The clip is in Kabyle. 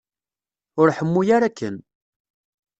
Ur ḥemmu ara akken.